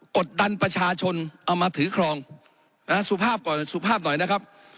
กดดันประชาชนเอามาถือครองสุภาพก่อนสุภาพหน่อยนะครับ